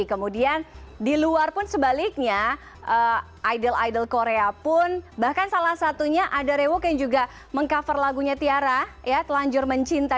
kemudian di luar pun sebaliknya idol idol korea pun bahkan salah satunya ada rewok yang juga meng cover lagunya tiara ya telanjur mencinta